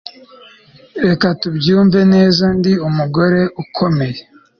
reka tubyumve neza, ndi umugore ukomeye